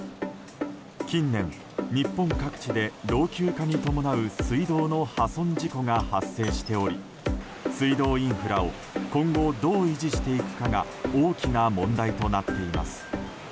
近年、日本各地で老朽化に伴う水道の破損事故が発生しており水道インフラを今後、どう維持していくかが大きな問題となっています。